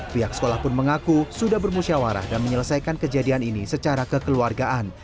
pihak sekolah pun mengaku sudah bermusyawarah dan menyelesaikan kejadian ini secara kekeluargaan